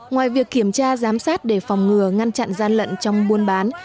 ngoài việc kiểm tra giám sát để phòng ngừa ngăn chặn gian lận trong buôn bán